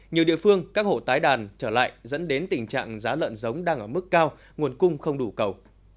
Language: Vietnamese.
nhiều địa phương các hộ tái đàn trở lại dẫn đến tình trạng giá lợn giống đang ở mức cao nguồn cung không đủ cầu